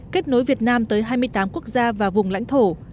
kết nối việt nam tới hai triệu đồng